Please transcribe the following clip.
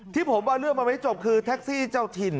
ที่ผมเอาเรื่องมาไว้จบคือแท็กซี่เจ้าถิ่น